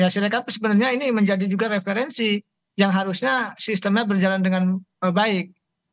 sehingga sebenarnya ini menjadi juga referensi yang harusnya sistemnya berjalan dengan baik